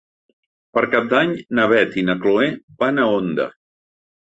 Per Cap d'Any na Beth i na Chloé van a Onda.